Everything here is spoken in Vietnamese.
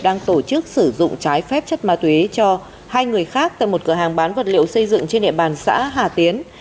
đang tổ chức sử dụng trái phép chất ma túy cho hai người khác tại một cửa hàng bán vật liệu xây dựng trên địa bàn xã hà tiến